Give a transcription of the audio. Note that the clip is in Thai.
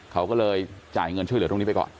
เขาก็เลยจ่ายเงินช่วยเหลือตรงนี้ไปก่อน